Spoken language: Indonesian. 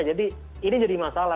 jadi ini jadi masalah